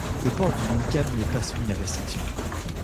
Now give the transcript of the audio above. Le port du niqab n'est pas soumis à restriction.